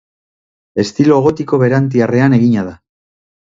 Estilo gotiko berantiarrean egina da.